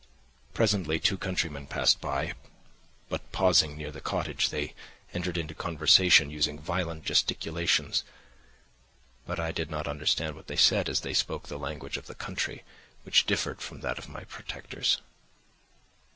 "Presently two countrymen passed by, but pausing near the cottage, they entered into conversation, using violent gesticulations; but I did not understand what they said, as they spoke the language of the country, which differed from that of my protectors.